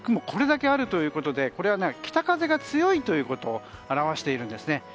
これだけあるということでこれは北風が強いということを表しているんですね。